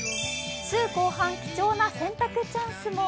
週後半、貴重な洗濯チャンスも。